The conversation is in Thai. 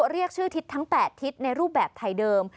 เรียกชื่อทิศทั้ง๘ทิศในรูปแบบไทยเดิม